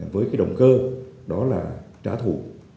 với cái động cơ đó là trả thù